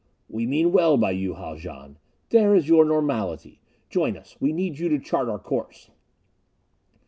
"We mean well by you, Haljan. There is your normality. Join us. We need you to chart our course."